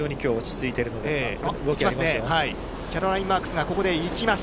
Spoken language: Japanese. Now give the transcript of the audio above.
キャロライン・マークスがここでいきます。